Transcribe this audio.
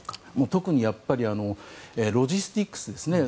特にロジスティクスですね。